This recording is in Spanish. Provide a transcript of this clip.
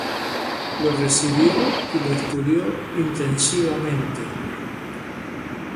Lo recibió y lo estudió intensivamente.